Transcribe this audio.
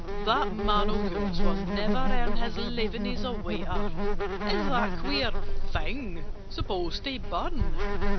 "That man of yours will never earn His living as a waiter! Is that queer thing supposed to burn?